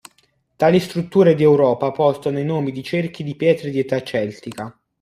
Tali strutture di Europa portano i nomi di cerchi di pietre di età celtica.